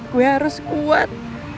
gue harus kuat